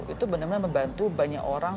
itu benar benar membantu banyak orang